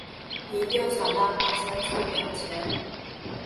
一定想办法先凑点钱